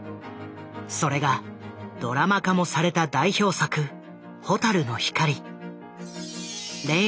それがドラマ化もされた代表作「ホタルノヒカリ」。